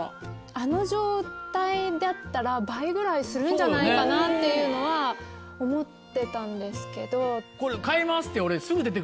あの状態だったら倍ぐらいするんじゃないかなっていうのは思ってたんですけど。